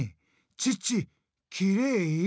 チッチきれい？